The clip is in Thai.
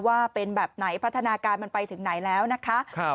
ว่าเป็นแบบไหนพัฒนาการมันไปถึงไหนแล้วนะคะ